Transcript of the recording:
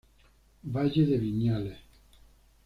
Valle de Viñales